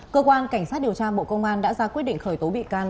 cơ quan cảnh sát điều tra bộ công an đã ra quyết định khởi tố bị can